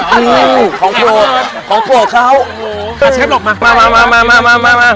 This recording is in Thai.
ตัวของเชฟครบมา